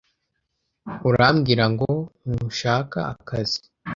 Urambwira ngo ntushaka akazi?